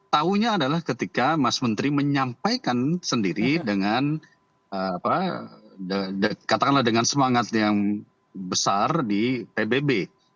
tahunya adalah ketika mas menteri menyampaikan sendiri dengan katakanlah dengan semangat yang besar di pbb